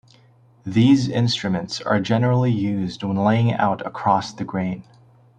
These instruments are generally used when laying out across the grain.